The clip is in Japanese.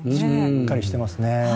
しっかりしてますね。